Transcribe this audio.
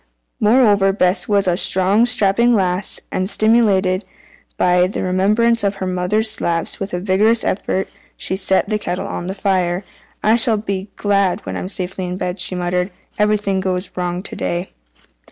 Moreover Bess was a strong, strapping lass, and, stimulated by the remembrance of her mother's slaps, with a vigorous effort she set the kettle on the fire. "I shall be glad when I'm safely in bed," she muttered. "Everything goes wrong to day."